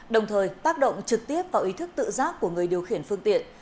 đồng thời tác động trực tiếp vào ý thức tự giác của người điều khiển phương tiện